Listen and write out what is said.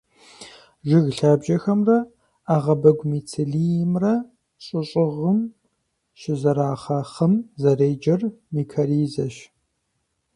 Жыг лъабжьэхэмрэ ӏэгъэбэгу мицелиимрэ щӏы щӏыгъым щызэрахъэ хъым зэреджэр микоризэщ.